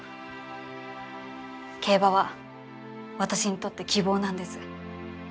競馬は私にとって希望なんです。